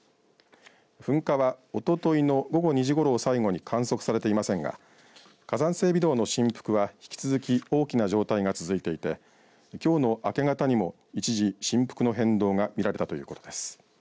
噴火は、おとといの午後２時ごろを最後に観測されていませんが火山性微動の振幅は、引き続き大きな状態が続いていてきょうの明け方にも一時振幅の変動が見られたということです。